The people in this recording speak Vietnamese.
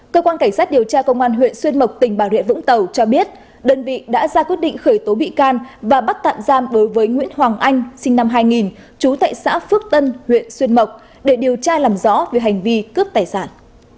cơ quan cảnh sát điều tra công an huyện xuyên mộc tỉnh bà rịa vũng tàu cho biết đơn vị đã ra quyết định khởi tố bị can và bắt tạm giam đối với nguyễn hoàng anh sinh năm hai nghìn trú tại xã phước tân huyện xuyên mộc để điều tra làm rõ về hành vi cướp tài sản